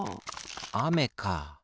あめか。